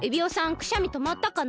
くしゃみとまったかな？